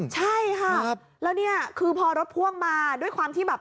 ใช่ค่ะแล้วนี่คือพอรถพ่วงมาด้วยความที่แบบ